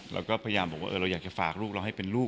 เราก็พยายามบอกว่าเราอยากจะฝากลูกเราให้เป็นลูก